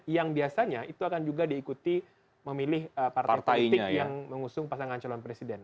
yang biasanya itu akan juga diikuti memilih partai politik yang mengusung pasangan calon presiden